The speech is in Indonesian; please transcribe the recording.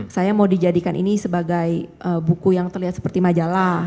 saya mau dijadikan ini sebagai buku yang terlihat seperti majalah